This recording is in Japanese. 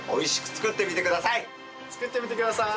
作ってみてください。